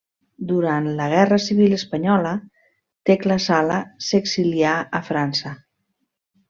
Durant la Guerra Civil Espanyola, Tecla Sala s'exilià a França.